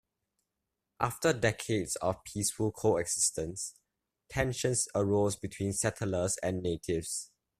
After decades of peaceful coexistence, tensions arose between settlers and natives.